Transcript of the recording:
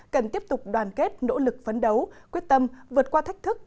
cần tiếp tục đoàn kết nỗ lực phấn đấu quyết tâm vượt qua thách thức